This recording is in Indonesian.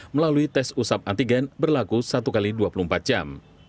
melalui tes usap antigen berlaku satu x dua puluh empat jam